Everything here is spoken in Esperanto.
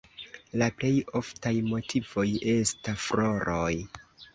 La plej oftaj motivoj esta floroj.